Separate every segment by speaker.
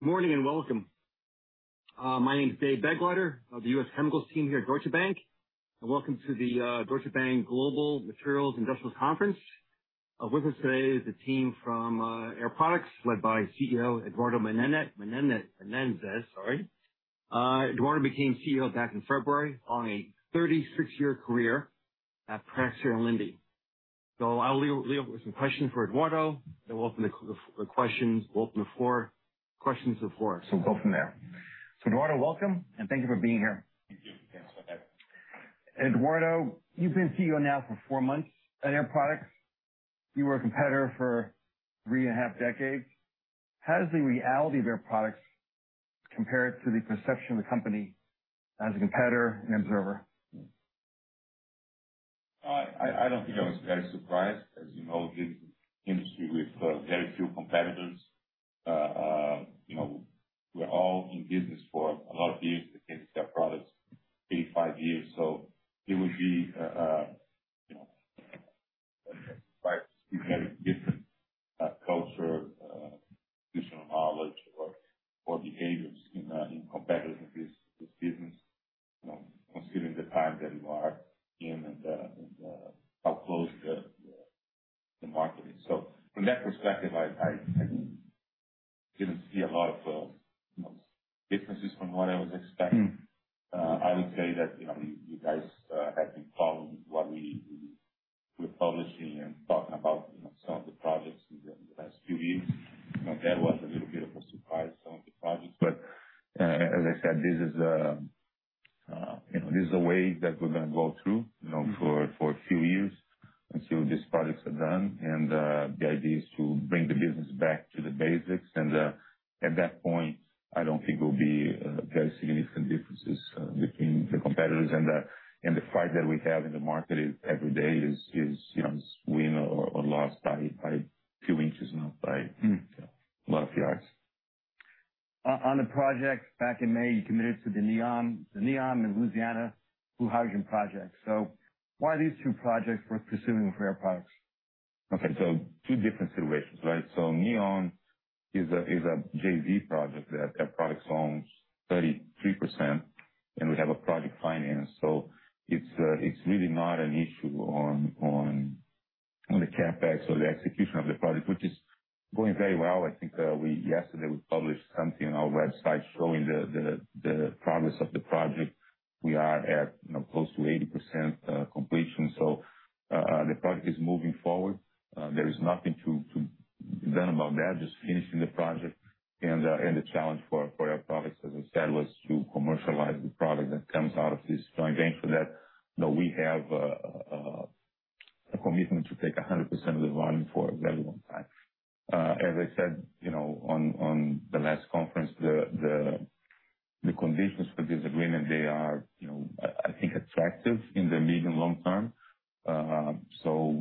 Speaker 1: Good morning and welcome. My name is Dave Begleiter of the U.S. Chemicals team here at Deutsche Bank. Welcome to the Deutsche Bank Global Materials Industrial Conference. With us today is the team from Air Products led by CEO Eduardo Menezes. Eduardo became CEO back in February following a 36-year career at Praxair and Linde. So I'll leave it with some questions for Eduardo, then we'll open the questions. We'll open the floor. Questions to the floor. We'll go from there. Eduardo, welcome, and thank you for being here.
Speaker 2: Thank you.
Speaker 1: Eduardo, you've been CEO now for four months at Air Products. You were a competitor for three and a half decades. How does the reality of Air Products compare to the perception of the company as a competitor and observer?
Speaker 2: I don't think I was very surprised. As you know, this is an industry with very few competitors. We're all in business for a lot of years, Air Products, 85 years. So it would be surprised to see very different culture, traditional knowledge, or behaviors in competitors in this business, considering the time that you are in and how close the market is. So from that perspective, I didn't see a lot of differences from what I was expecting. going very well. I think yesterday we published something on our website showing the progress of the project. We are at close to 80% completion. So the project is moving forward. There is nothing to be done about that, just finishing the project. And the challenge for Air Products, as I said, was to commercialize the product that comes out of this joint venture that we have a commitment to take 100% of the volume for a very long time. As I said on the last conference, the conditions for this agreement, they are, I think, attractive in the medium and long term. So we're going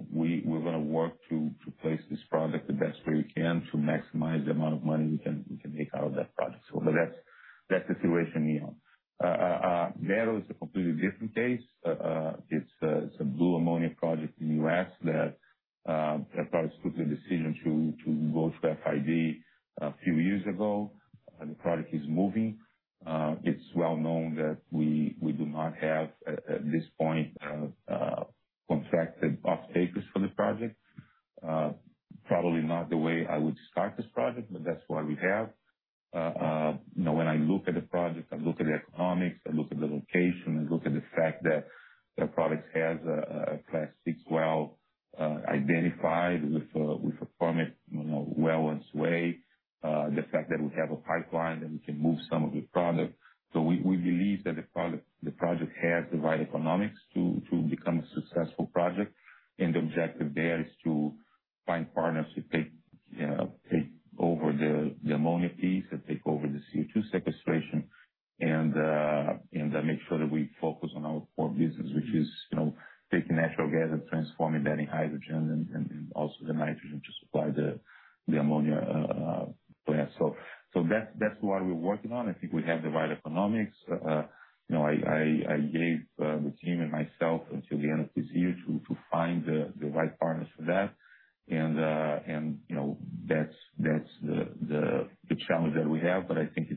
Speaker 2: the team and myself until the end of this year to find the right partners for that. And that's the challenge that we have. But I think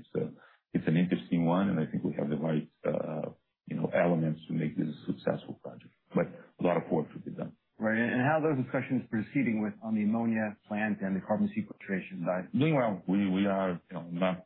Speaker 2: it's an interesting one, and I think we have the right elements to make this a successful project. But a lot of work to be done.
Speaker 1: Right, and how are those discussions proceeding with the ammonia plant and the carbon sequestration side?
Speaker 2: Doing well. I cannot talk about that, of course, but we have several discussions in parallel, and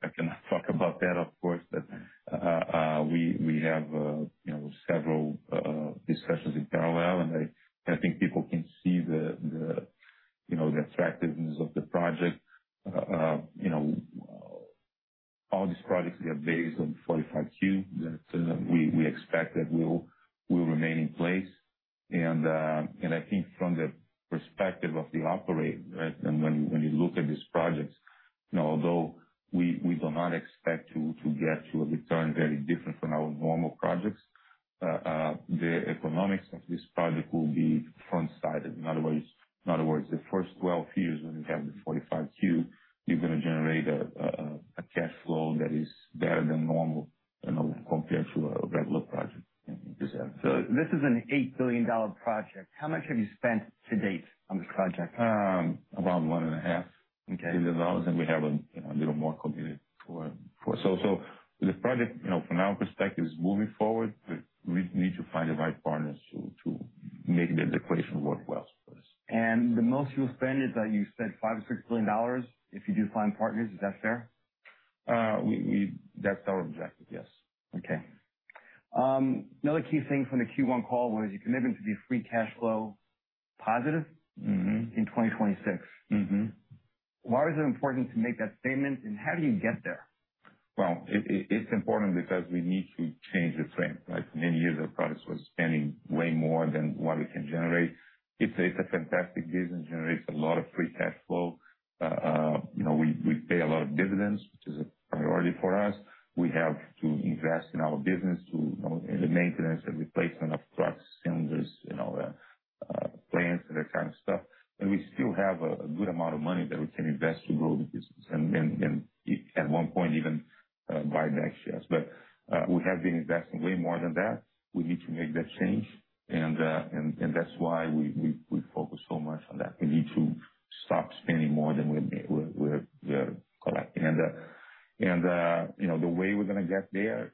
Speaker 2: I think That's our objective, yes.
Speaker 1: Okay. Another key thing from the Q1 call was you committed to be free cash flow positive in 2026. Why was it important to make that statement, and how do you get there?
Speaker 2: It's important because we need to change the frame. For many years, Air Products was spending way more than what we can generate. It's a fantastic business. It generates a lot of free cash flow. We pay a lot of dividends, which is a priority for us. We have to invest in our business to the maintenance and replacement of trucks, cylinders, plants, and that kind of stuff. We still have a good amount of money that we can invest to grow the business and at one point even buy back shares. We have been investing way more than that. We need to make that change. That's why we focus so much on that. We need to stop spending more than we are collecting. The way we're going to get there,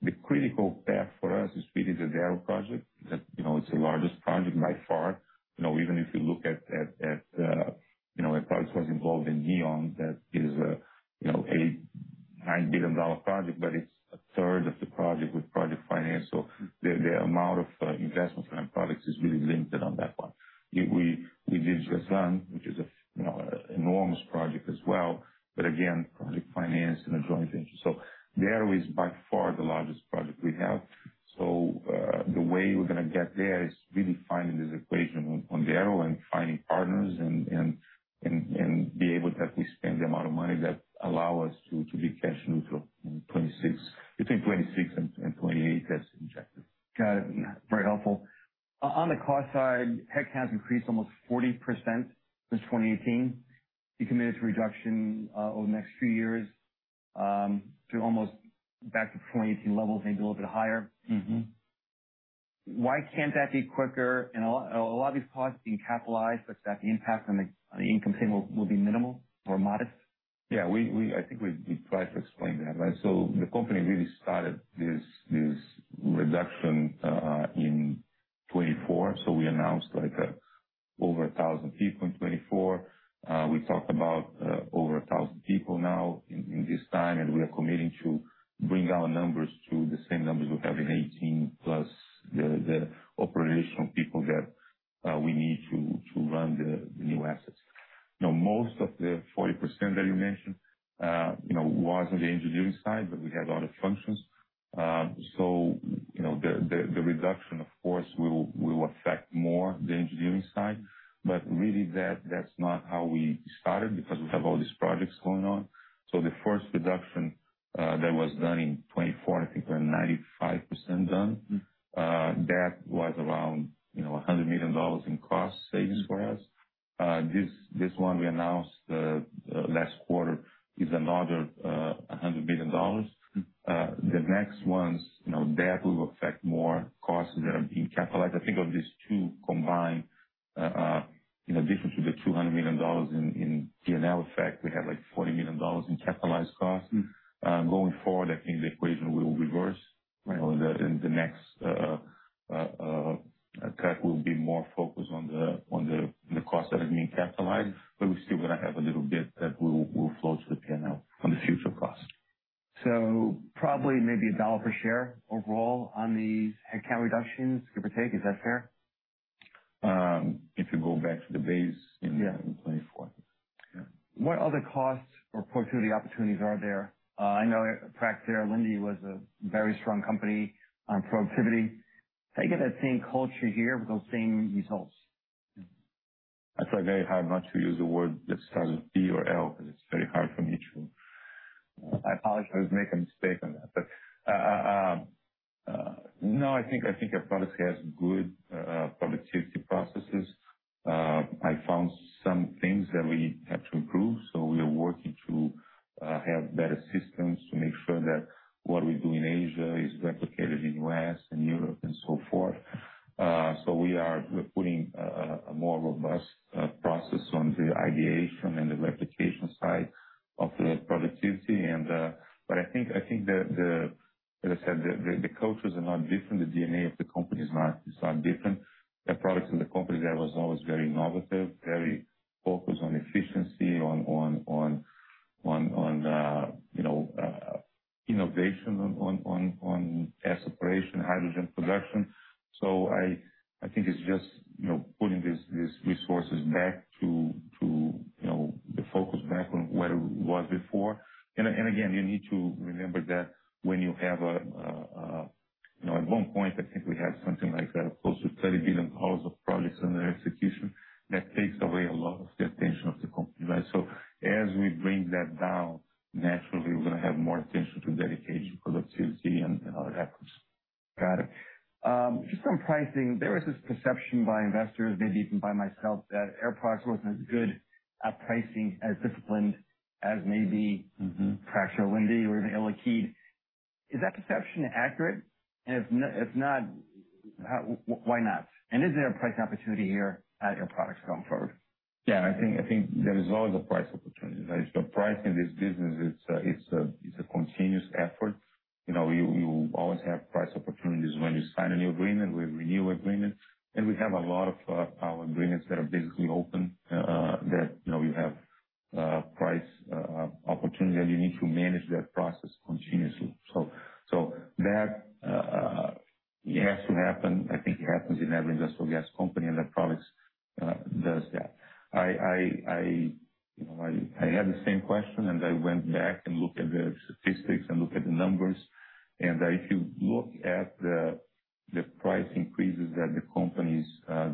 Speaker 2: the critical path for us is really the Darrow project. It's the largest project by far. Even if you look at Air Products was involved in NEOM, that is a $9 billion project, but it's a third of the project with project finance. So the amount of investment for Air Products is really limited on that one. We did Jazan, which is an enormous project as well. But again, project finance and a joint venture. So Darrow is by far the largest project we have. So the way we're going to get there is really finding this equation on Darrow and finding partners and be able to actually spend the amount of money that allows us to be cash neutral between 2026 and 2028. That's the objective.
Speaker 1: Got it. Very helpful. On the cost side, headcount has increased almost 40% since 2018. You committed to a reduction over the next few years to almost back to 2018 levels, maybe a little bit higher. Why can't that be quicker, and a lot of these costs being capitalized, such that the impact on the income statement will be minimal or modest?
Speaker 2: Yeah. I think we tried to explain that. So the company really started this reduction in 2024. So we announced over 1,000 people in 2024. We talked about over 1,000 people now in this time, and we are committing to bring our numbers to the same numbers we have in 2018 plus the operational people that we need to run the new assets. Most of the 40% that you mentioned was on the engineering side, but we had other functions. So the reduction, of course, will affect more the engineering side. But really, that's not how we started because we have all these projects going on. So the first reduction that was done in 2024, I think we're 95% done. That was around $100 million in cost savings for us. This one we announced last quarter is another $100 million. The next ones, that will affect more costs that are being capitalized. I think of these two combined, in addition to the $200 million in P&L effect, we have like $40 million in capitalized costs. Going forward, I think the equation will reverse. In the next cut, we'll be more focused on the costs that are being capitalized, but we're still going to have a little bit that will flow to the P&L on the future costs.
Speaker 1: Probably maybe $1 per share overall on these headcount reductions, give or take. Is that fair?
Speaker 2: If you go back to the base in 2024.
Speaker 1: What other costs or productivity opportunities are there? I know Praxair and Linde was a very strong company on productivity. How do you get that same culture here with those same results?
Speaker 2: That's a very hard not to use the word that starts with B or L because it's very hard for me to.
Speaker 1: I apologize.
Speaker 2: I was making a mistake on that, but no, I think Air Products has good productivity processes. I found some things that we have to improve, so we are working to have better systems to make sure that what we do in Asia is replicated in the U.S. and Europe and so forth, so we are putting a more robust You always have price opportunities when you sign a new agreement, when you renew an agreement. And we have a lot of our agreements that are basically open that you have price opportunities that you need to manage that process continuously. So that has to happen. I think it happens in every industrial gas company, and Air Products does that. I had the same question, and I went back and looked at the statistics and looked at the numbers. And if you look at the price increases that the companies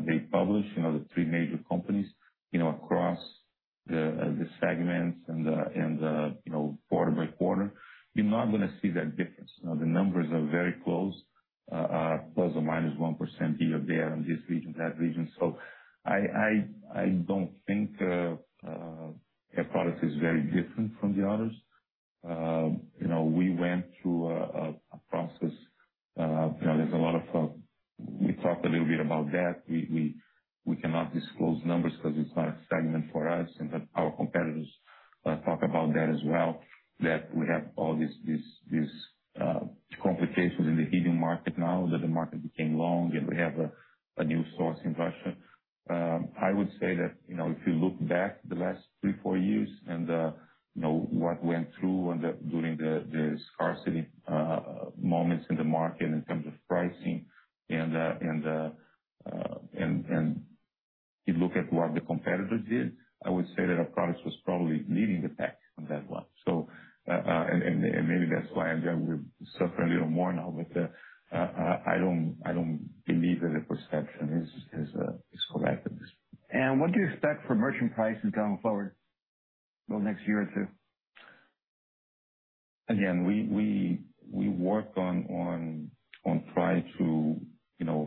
Speaker 2: they publish, the three major companies across the segments and quarter by quarter, you're not going to see that difference. The numbers are very close, ±1% here or there in this region, that region. I don't think Air Products is very different from the others. We went through a process. There's a lot of. We talked a little bit about that. We cannot disclose numbers because it's not a segment for us. Our competitors talk about that as well, that we have all these complications in the helium market now that the market became long and we have a new source in Russia. I would say that if you look back the last three, four years and what went through during the scarcity moments in the market in terms of pricing and you look at what the competitors did, I would say that Air Products was probably leading the pack on that one. Maybe that's why we're suffering a little more now, but I don't believe that the perception is correct at this point.
Speaker 1: What do you expect for merchant prices going forward over the next year or two?
Speaker 2: Again, we work on trying to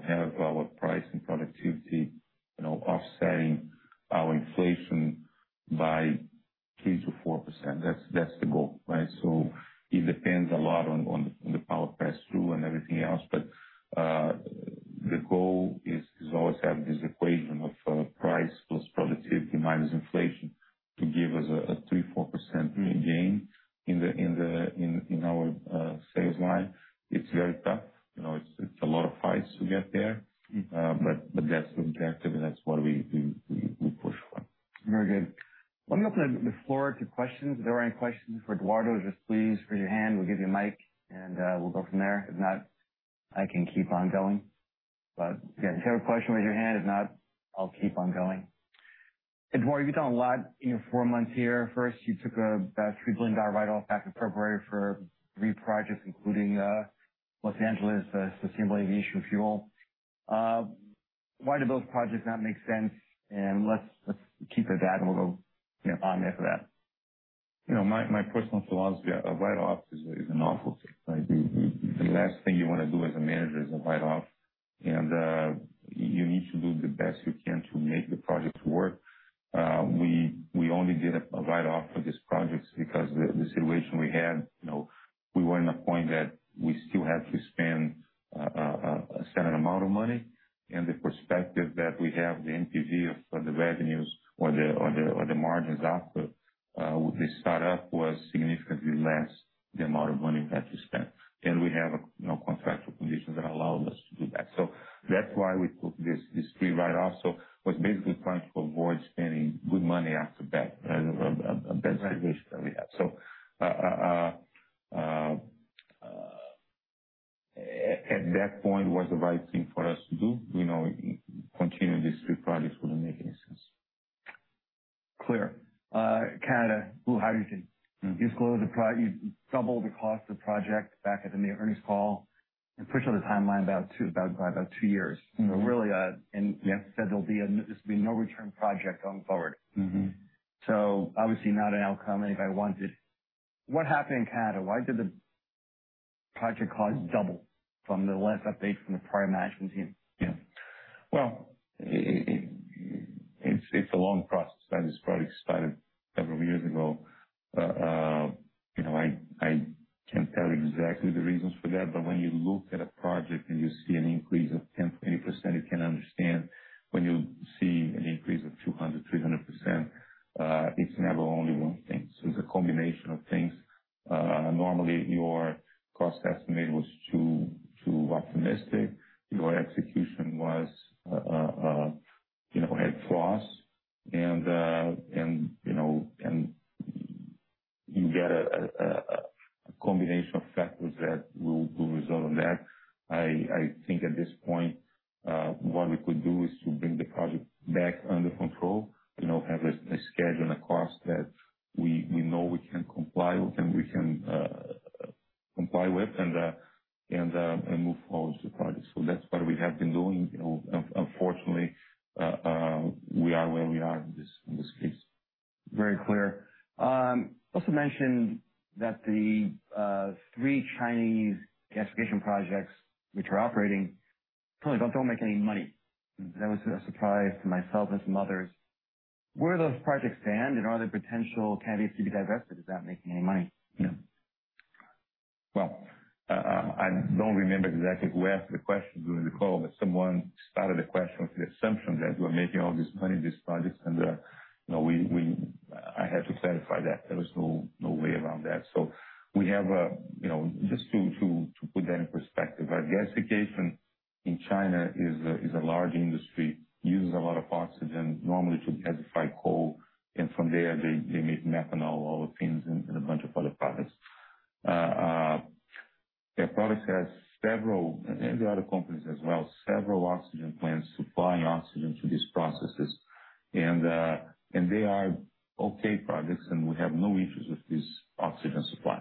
Speaker 2: have our price and productivity offsetting our inflation by 3%-4%. That's the goal. So it depends a lot on the power pass-through and everything else. But the goal is always to have this equation of price plus productivity minus inflation to give us a 3%-4% gain in our sales line. It's very tough. It's a lot of fights to get there, but that's the objective, and that's what we push for.
Speaker 1: Very good. We'll open the floor to questions. If there are any questions for Eduardo, just please raise your hand. We'll give you a mic, and we'll go from there. If not, I can keep on going. But if you have a question, raise your hand. If not, I'll keep on going. Eduardo, you've done a lot in your four months here. First, you took about $3 billion write-off back in February for three projects, including Los Angeles Sustainable Aviation Fuel. Why did those projects not make sense? And let's keep it at that, and we'll go on after that.
Speaker 2: My personal philosophy, a write-off is an awful thing. The last thing you want to do as a manager is a write-off, and you need to do the best you can to make the project work. We only did a write-off for these projects because of the situation we had. We were in a point that we still had to spend a certain amount of money, and the perspective that we have, the NPV of the revenues or the margins after we start up was significantly less than the amount of money we had to spend, and we have contractual conditions that allowed us to do that, so that's why we took this free write-off, so it was basically trying to avoid spending good money after bad, a bad situation that we had, so at that point, it was the right thing for us to do. We know continuing these three projects wouldn't make any sense.
Speaker 1: Clear. Canada. Blue Hydrogen. You double the cost of the project back at the earnings call and pushed on the timeline by about two years, so really, you said this will be a no-return project going forward, so obviously, not an outcome anybody wanted. What happened in Canada? Why did the project cost double from the last update from the prior management team?
Speaker 2: Yeah, well, it's a long process. This project started several years ago. I can't tell you exactly the reasons for that. But when you look at a project and you see an increase of 10%-20%, you can't understand. When you see an increase of 200%-300%, it's never only one thing. So it's a combination of things. Normally, your cost estimate was too optimistic. Your execution had flaws. And you get a combination of factors that will result in that. I think at this point, what we could do is to bring the project back under control, have a schedule and a cost that we know we can comply with and move forward with the project. So that's what we have been doing. Unfortunately, we are where we are in this case.
Speaker 1: Very clear. Also mentioned that the three Chinese gasification projects which are operating don't make any money. That was a surprise to myself and some others. Where do those projects stand? And are there potential candidates to be divested without making any money?
Speaker 2: Yeah. Well, I don't remember exactly who asked the question during the call, but someone started the question with the assumption that we're making all this money in these projects, and I had to clarify that. There was no way around that, so we have, just to put that in perspective, our gasification in China is a large industry. It uses a lot of oxygen, normally to gasify coal, and from there, they make methanol, all the things, and a bunch of other products. Air Products has several, and the other companies as well, several oxygen plants, supplying oxygen to these processes, and they are okay projects, and we have no issues with this oxygen supply.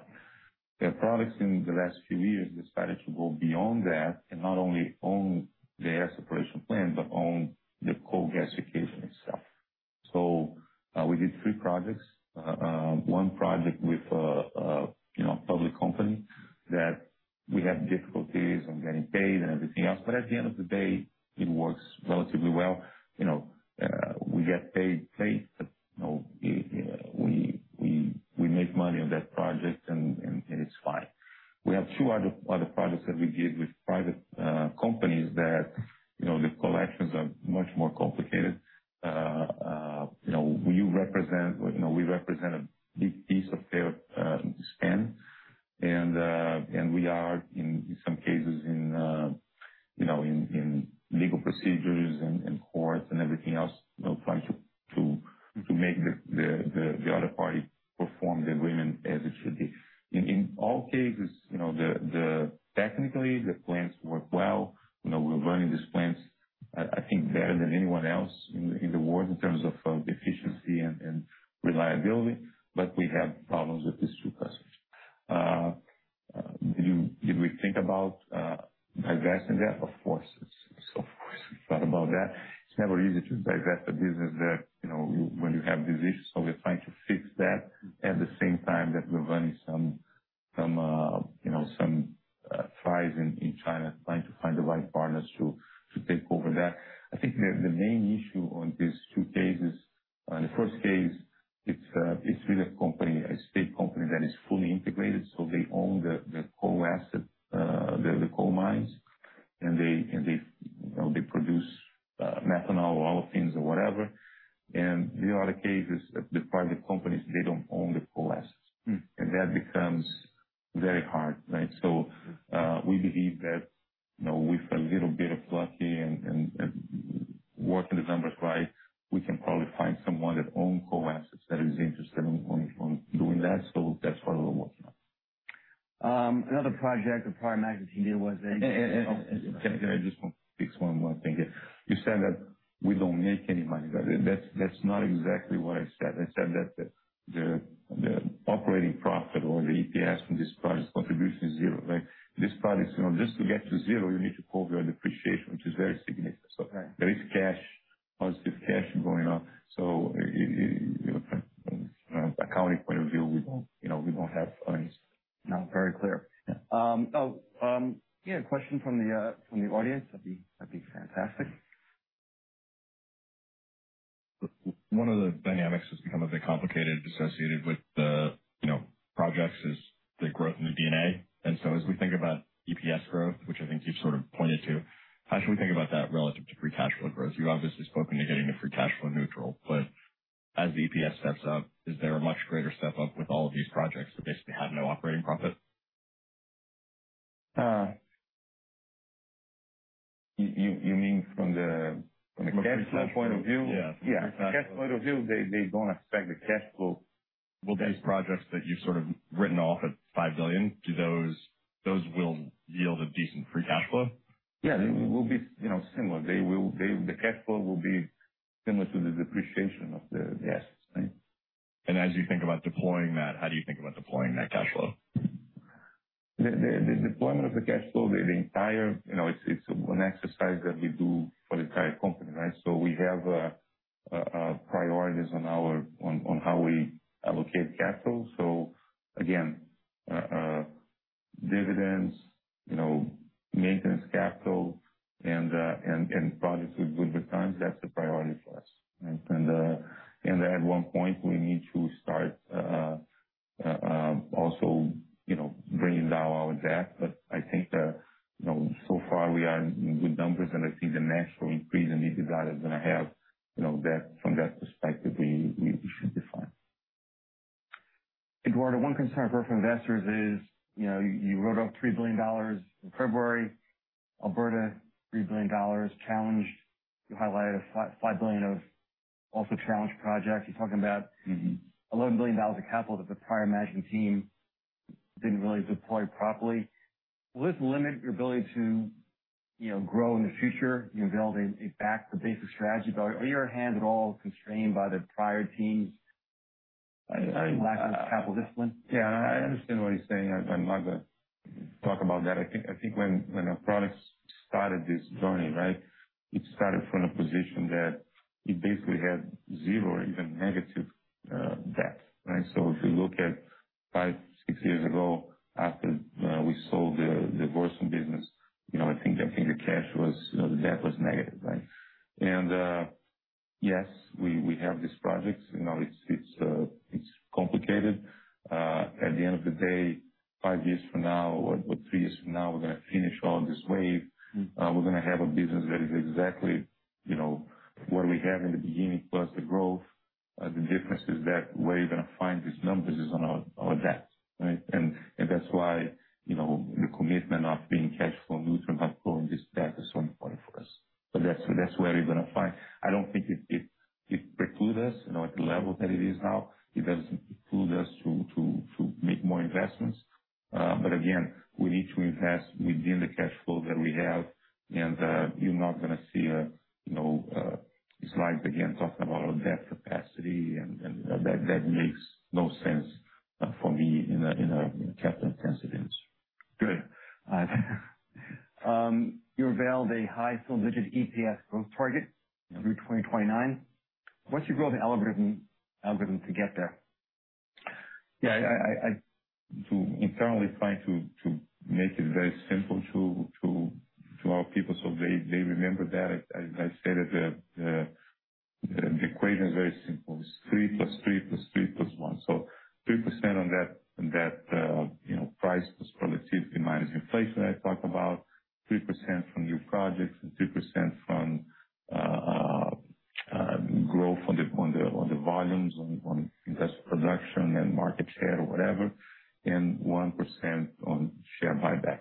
Speaker 2: Air Products, in the last few years, decided to go beyond that and not only own the gas separation plant, but own the coal gasification itself, so we did three projects. One project with a public company that we had difficulties in getting paid and everything else. But at the end of the day, it works relatively well. you need to cover your depreciation, which is very significant. So there is cash, positive cash going on. So from an accounting point of view, we don't have earnings.
Speaker 1: No, very clear. Yeah, a question from the audience. That'd be fantastic. One of the dynamics that's become a bit complicated associated with the projects is the growth in the D&A. And so as we think about EPS growth, which I think you've sort of pointed to, how should we think about that relative to free cash flow growth? You've obviously spoken to getting to free cash flow neutral. But as the EPS steps up, is there a much greater step up with all of these projects that basically have no operating profit?
Speaker 2: You mean from the cash flow point of view? Yeah. From the cash flow point of view, they don't affect the cash flow. Will these projects that you've sort of written off at $5 billion, those will yield a decent free cash flow? Yeah, they will be similar. The cash flow will be similar to the depreciation of the assets. As you think about deploying that, how do you think about deploying that cash flow? The deployment of the cash flow, the entire, it's an exercise that we do for the entire company, right? So we have priorities on how we allocate capital. So again, dividends, maintenance capital, and projects with good returns, that's the priority for us. And at one point, we need to start also bringing down our debt. But I think so far we are in good numbers. And I think the natural increase in EPS is going to have from that perspective, we should be fine.
Speaker 1: Eduardo, one concern for investors is you wrote up $3 billion in February. Alberta, $3 billion challenged. You highlighted a $5 billion also challenged project. You're talking about $11 billion of capital that the prior management team didn't really deploy properly. Will this limit your ability to grow in the future? You've developed a basic strategy. Are your hands at all constrained by the prior team's lack of capital discipline?
Speaker 2: Yeah, I understand what he's saying. I'm not going to talk about that. I think when Air Products started this journey, right, it started from a position that it basically had zero or even negative price plus productivity minus inflation that I talked about, 3% from new projects, and 3% from growth on the volumes, on industrial production and market share or whatever, and 1% on share buyback.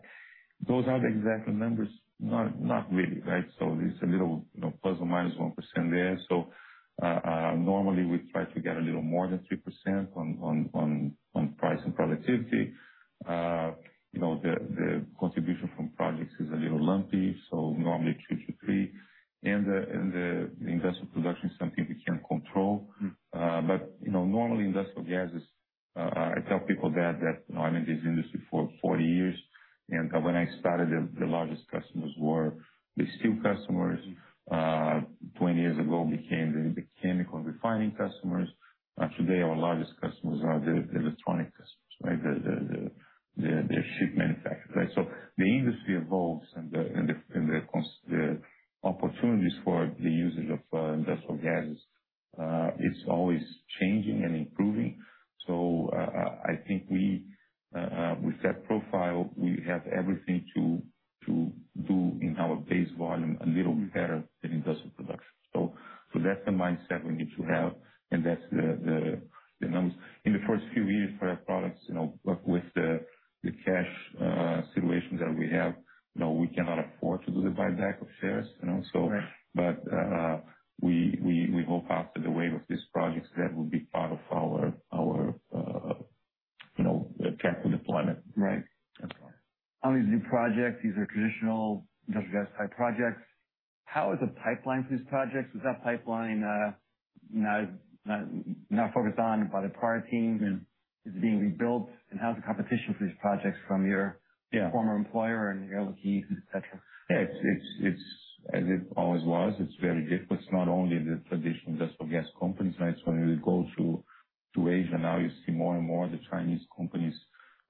Speaker 2: Those are the exact numbers, not really, right? So it's a little plus or -1% there. So normally, we try to get a little more than 3%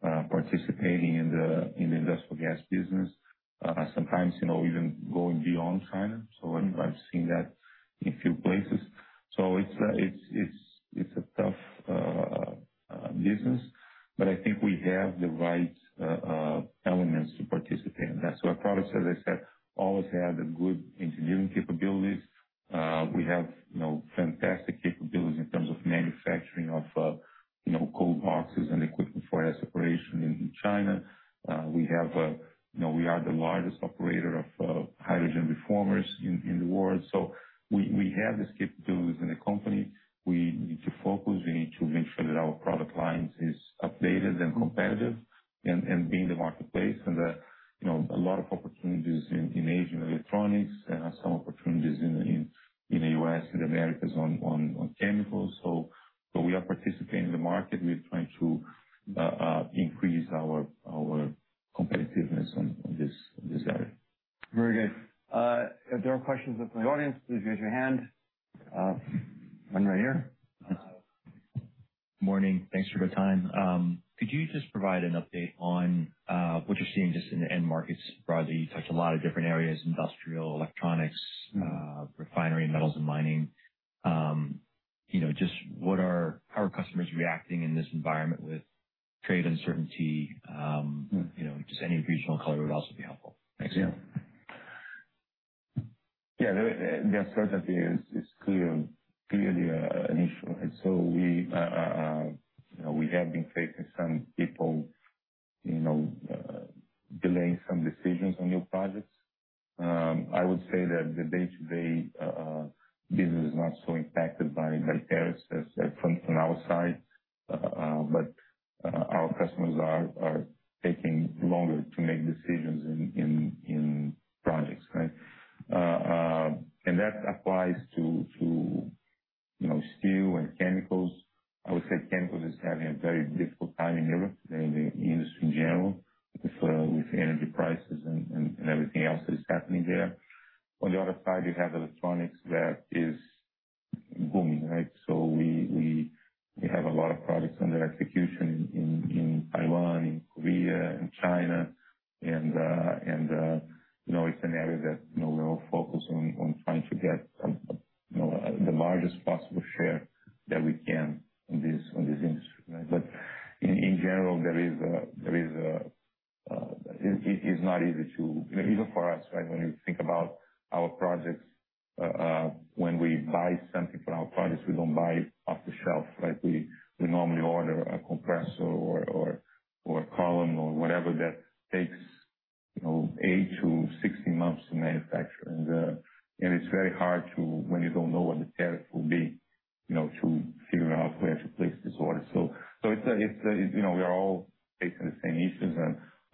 Speaker 2: participating in the industrial gas business, sometimes even going beyond China. So I've seen that in a few places. So it's a tough business. But I think we have the right elements to participate in that. So Air Products, as I said, always had good engineering capabilities. We have fantastic capabilities in terms of manufacturing of cold boxes and equipment for gas separation in China. We are the largest operator of hydrogen reformers in the world. So we have these capabilities in the company.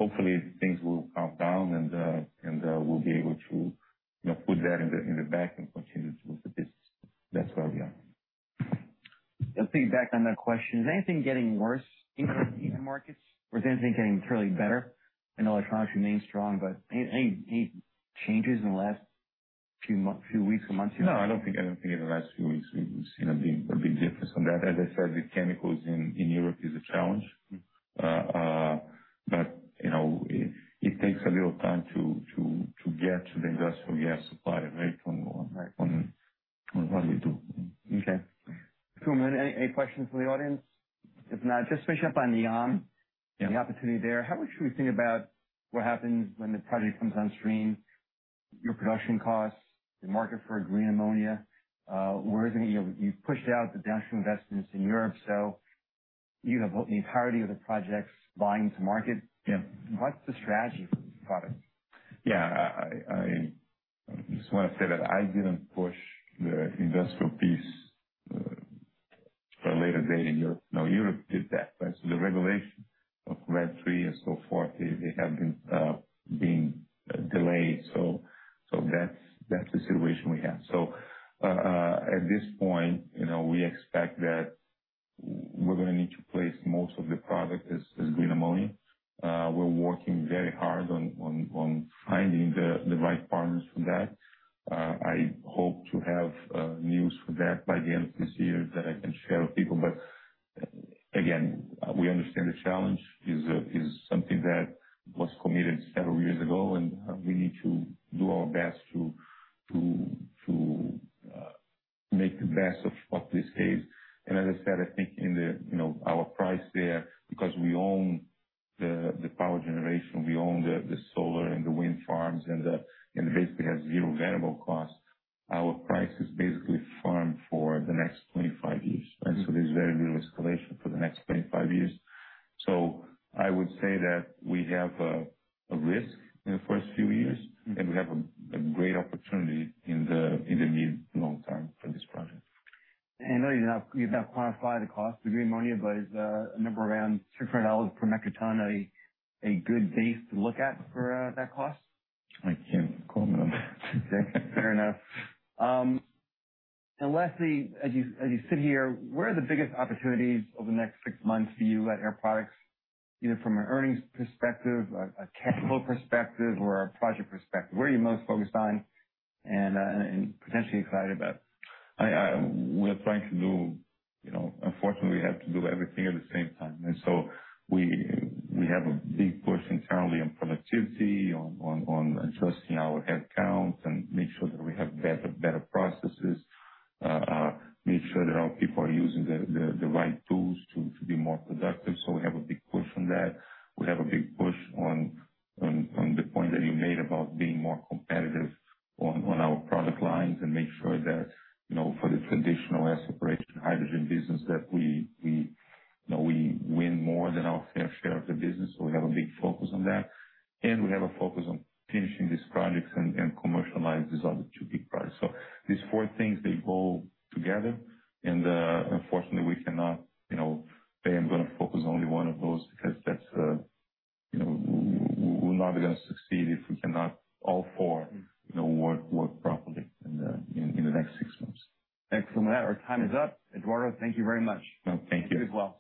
Speaker 2: hopefully, things will calm down, and we'll be able to put that in the back and continue to do the business. That's where we are.
Speaker 1: Let's take it back on that question. Is anything getting worse in the markets? Or is anything getting materially better? I know electronics remain strong, but any changes in the last few weeks or months?
Speaker 2: No, I don't think in the last few weeks we've seen a big difference on that. As I said, with chemicals in Europe, it's a challenge. But it takes a little time to get to the industrial gas supplier, right, on what we do.
Speaker 1: Okay. Any questions from the audience? If not, just finishing up on NEOM, the opportunity there. How much do we think about what happens when the project comes online? Your production costs, the market for green ammonia? You've pushed out the downstream investments in Europe. So you have the entirety of the projects vying to market. What's the strategy for these products?
Speaker 2: Yeah, I just want to say that I didn't push the industrial piece for a later date in Europe. Now, Europe did that, right? So the regulation of RED III and so forth, they have been delayed, so that's the situation we have, so at this point, we expect that we're going to need to place most of the product as green ammonia. We're working very hard on finding the right partners for that. I hope to have news for that by the end of this year that I can share with people, but again, we understand the challenge is something that was committed several years ago, and we need to so we have a big push internally on productivity, on adjusting our headcount, and make sure that we have better processes, make sure that our people are using the right tools to be more productive, so we have a big push on that, we have a big push on the point that you made about being more competitive on our product lines and make sure that for the traditional gas separation hydrogen business that we win more than our fair share of the business, so we have a big focus on that, and we have a focus on finishing these projects and commercializing these other two big projects, so these four things, they go together. Unfortunately, we cannot say I'm going to focus on only one of those because we're not going to succeed if we cannot all four work properly in the next six months.
Speaker 1: Excellent. Our time is up. Eduardo, thank you very much.
Speaker 2: Thank you.
Speaker 1: It was well.